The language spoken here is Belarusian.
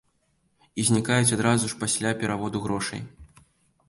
І знікаюць адразу ж пасля пераводу грошай.